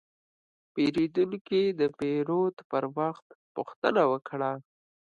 پیرودونکی د پیرود پر وخت پوښتنه وکړه.